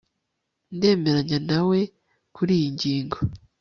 Ndemeranya nawe kuriyi ngingo